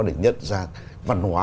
để nhận ra văn hóa